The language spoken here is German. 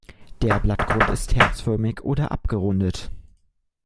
Der Blattgrund ist herzförmig oder abgerundet.